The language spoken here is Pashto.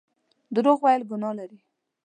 درواغ ويل ګناه لري